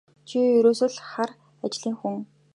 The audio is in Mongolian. Чи ерөөсөө л хар ажлын хүн.